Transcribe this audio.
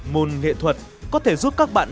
môn nghệ thuật có thể giúp các bạn